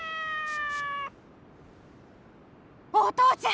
お父ちゃん！